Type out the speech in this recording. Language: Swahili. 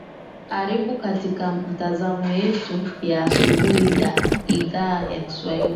aribu katika matazo yetu ya asubuhi ya idhaa ya kiswahili